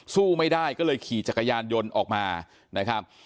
สู้ไม่ได้ก็เลยขี่จักรยานยนต์ออกมานะครับ